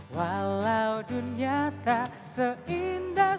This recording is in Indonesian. walau dunia tak seindah